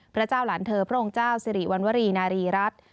พระเจ้าหลานเธอพระองค์เจ้าสิริวัณวรีนารีรัฐ